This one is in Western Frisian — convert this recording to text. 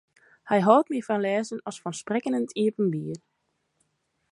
Hy hâldt mear fan lêzen as fan sprekken yn it iepenbier.